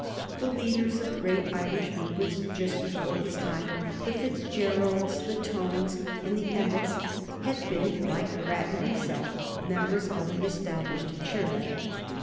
The leaders of great Irish movements just before his time the Fitzgeralds, the Tones, and the Emmets had had been, like Grattan himself, members of the Established Church.